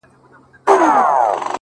• خدایه ملیار مي له ګلونو سره لوبي کوي,